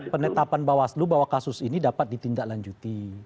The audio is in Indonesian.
penetapan bawah seluruh bahwa kasus ini dapat ditindaklanjuti